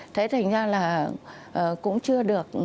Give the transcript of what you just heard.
thế thành ra là cũng chưa được chấp nhận